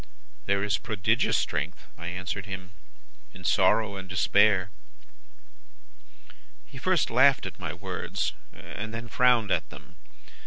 "'There is prodigious strength,' I answered him, 'in sorrow and despair.' "He first laughed at my words, and then frowned at them.